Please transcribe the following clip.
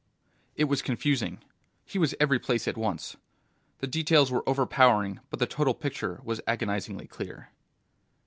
It was confusing. He was everyplace at once. The details were overpowering, but the total picture was agonizingly clear.